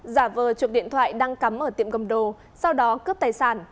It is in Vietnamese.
giả vờ chuộc điện thoại đang cắm ở tiệm cầm đồ sau đó cướp tài sản